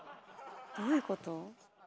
どういうこと？